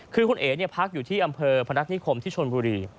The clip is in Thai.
คือคุณเอ๋พักอยู่ที่อำเภอพนัฐนิคมที่ชนบุรี